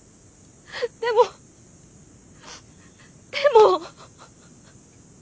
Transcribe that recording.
でもでも。